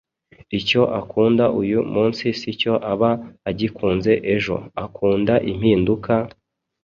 icyo akunda uyu munsi sicyo aba agikunze ejo. akunda impinduka,